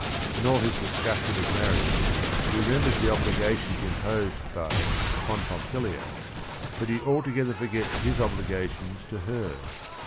In all his discussion of marriage he remembers the obligations imposed by it upon Pompilia, but he altogether forgets his obligations to her.